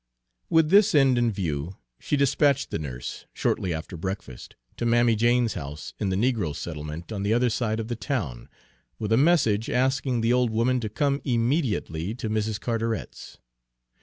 With this end in view she dispatched the nurse, shortly after breakfast, to Mammy Jane's house in the negro settlement on the other side of the town, with a message asking the old woman to come immediately to Mrs. Carteret's.